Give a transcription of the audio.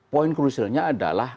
poin krusialnya adalah